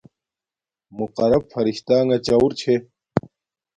مقرب فرشتݳݣݳ چَݸُر چھݺ.